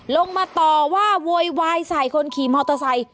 ลงมาต่อว่าโวยวายใส่คนขี่มอเตอร์ไซค์